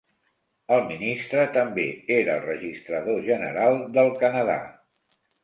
El ministre també era el registrador general del Canadà.